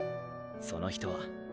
その人は。